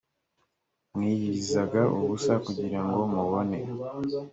mwiyirizaga ubusa kugira ngo mubone